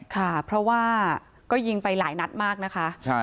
ค่ะเพราะว่าก็ยิงไปหลายนัดมากนะคะ